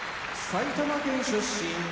埼玉県出身